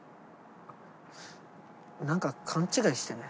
何か勘違いしてねえ？